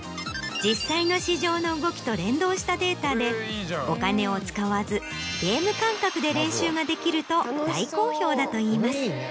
実際の市場の動きと連動したデータでお金を使わずゲーム感覚で練習ができると大好評だといいます。